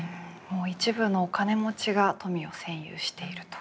もう一部のお金持ちが富を占有していると。